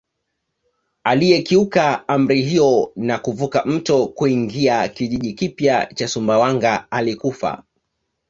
Aliyekiuka amri hiyo na kuvuka mto kuingia kijiji kipya cha Sumbawanga alikufa